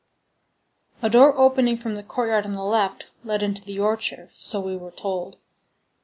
_" A door opening from the courtyard on the left led into the orchard, so we were told.